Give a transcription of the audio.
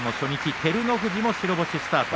照ノ富士も白星スタート。